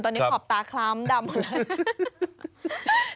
ตอนนี้ขอบตาคล้ำดำเลย